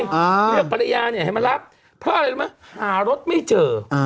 เรียกปริญญาเนี่ยให้มารับเพราะอะไรรู้มั้ยหารถไม่เจอ